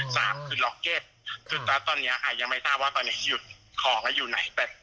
สามคือล็อกเก็ตคือตอนเนี้ยค่ะยังไม่ทราบว่าตอนนี้หยุดของแล้วอยู่ไหน